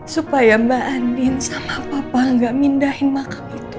supaya mbak andin sama papa gak mindahin makam itu